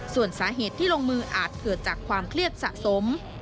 ส่วนสาเหตุที่ลงมืออาจเกิดจากความเครียดสะสม